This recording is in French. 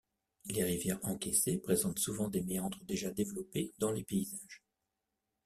Les rivières encaissées présentent souvent des méandres déjà développés dans les paysages.